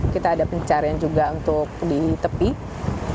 kita ada pencarian juga untuk ditemukan